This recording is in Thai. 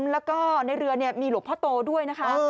แล้วก็ในเรือมีหลวงพ่อโตด้วยนะคะ